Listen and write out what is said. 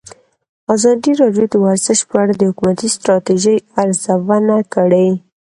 ازادي راډیو د ورزش په اړه د حکومتي ستراتیژۍ ارزونه کړې.